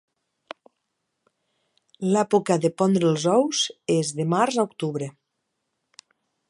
L'època de pondre els ous és de març a octubre.